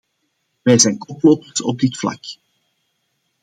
Wij zijn koplopers op dit vlak.